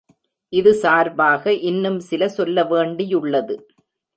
இது சார்பாக இன்னும் சில சொல்ல வேண்டியுள்ளது.